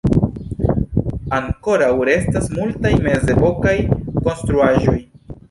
Ankoraŭ restas multaj mezepokaj konstruaĵoj.